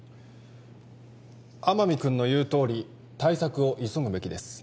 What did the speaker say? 天海君の言うとおり対策を急ぐべきです